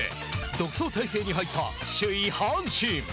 独走態勢に入った、首位阪神。